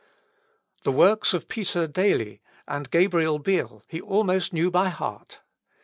The works of Peter D'Ailly and Gabriel Biel he almost knew by heart.